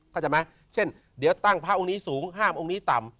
เข้าใจไหมเช่นเดี๋ยวตั้งพระองค์นี้สูงห้ามองค์นี้ต่ำ